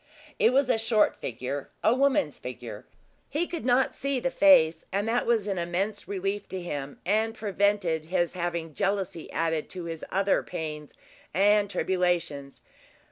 It was a short figure a woman's figure. He could not see the face, and that was an immense relief to him, and prevented his having jealousy added to his other pains and tribulations.